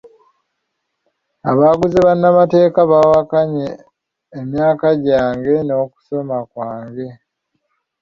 Abaguze bannamateeka bawakanye emyaka gyange n'okusoma kwange.